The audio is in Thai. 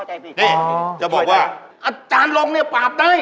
จะบอกว่าอาจารย์ลงเนี่ยปราบได้